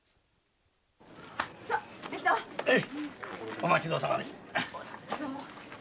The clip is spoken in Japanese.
お待ちどうさまでした。